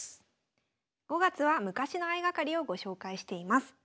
５月は昔の相掛かりをご紹介しています。